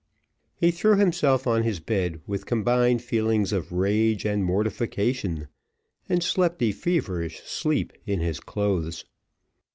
He threw himself on his bed with combined feelings of rage and mortification, and slept a feverish sleep in his clothes.